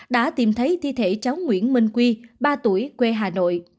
đã tìm thấy thi thể cháu nguyễn minh quy ba tuổi quê hà nội